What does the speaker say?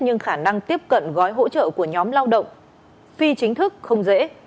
nhưng khả năng tiếp cận gói hỗ trợ của nhóm lao động phi chính thức không dễ